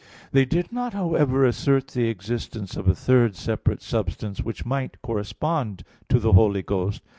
They did not, however, assert the existence of a third separate substance which might correspond to the Holy Ghost.